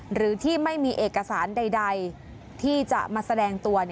หรือที่ไม่มีเอกสารใดที่จะมาแสดงตัว